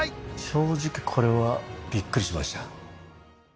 正直これはびっくりしました